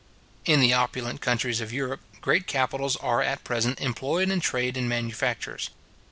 In the opulent countries of Europe, great capitals are at present employed in trade and manufactures.